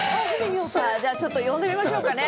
ちょっと呼んでみましょうかね。